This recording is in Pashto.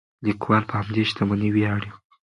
لیکوال په همدې شتمنۍ ویاړي.